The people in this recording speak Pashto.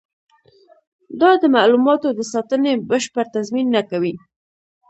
دا د معلوماتو د ساتنې بشپړ تضمین نه کوي.